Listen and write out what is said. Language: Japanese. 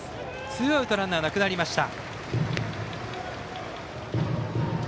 ツーアウトランナーなくなりました。